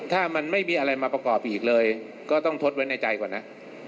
ถ้ามันไม่มีอะไรมาประกอบอีกเลยก็ต้องทดไว้ในใจก่อนนะ